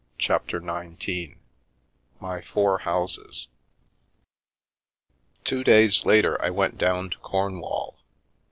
CHAPTER XIX MY FOUR HOUSES TWO days later I went down to Cornwall.